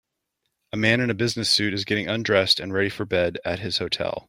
A man in a business suit is getting undressed and ready for bed at his hotel.